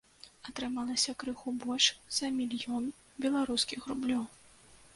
Атрымалася крыху больш за мільён беларускіх рублёў.